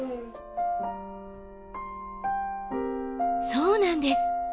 そうなんです。